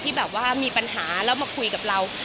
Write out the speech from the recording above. แบบว่ามีปัญหาแล้วมาคุยกับเรา